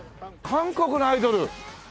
韓国のアイドル！？